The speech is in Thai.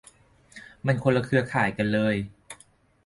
มันคนละเครือข่ายกันเลย